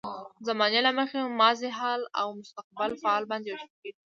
د زمانې له مخې ماضي، حال او مستقبل فعل باندې ویشل کیږي.